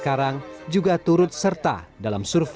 akan diketahui sekarang